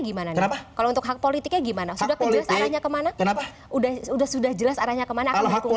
gimana kalau untuk hak politiknya gimana sudah kemana kenapa udah sudah sudah jelas arahnya kemana